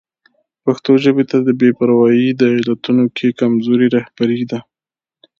پښتو ژبې ته د بې پرواهي د علتونو کې کمزوري رهبري ده.